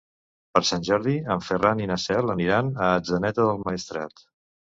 Per Sant Jordi en Ferran i na Cel aniran a Atzeneta del Maestrat.